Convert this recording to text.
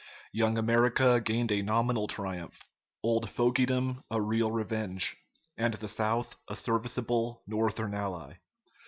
Young America gained a nominal triumph, old fogydom a real revenge, and the South a serviceable Northern ally.